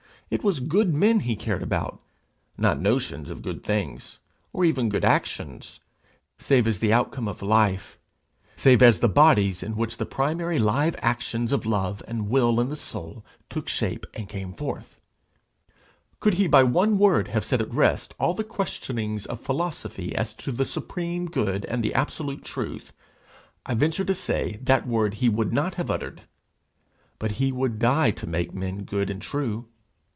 It was good men he cared about, not notions of good things, or even good actions, save as the outcome of life, save as the bodies in which the primary live actions of love and will in the soul took shape and came forth. Could he by one word have set at rest all the questionings of philosophy as to the supreme good and the absolute truth, I venture to say that word he would not have uttered. But he would die to make men good and true.